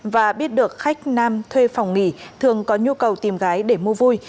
và biết được khách nam thuê phòng nghỉ thường có nhu cầu tìm gái để mua vui